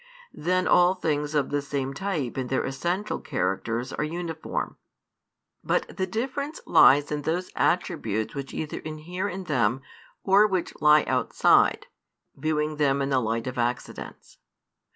Then all things of the same type in their essential characters are uniform. But the difference lies in those attributes which either inhere in them, or which lie outside (viewing them in the light of accidents).